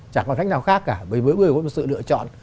chẳng có cách nào khác cả với người có sự lựa chọn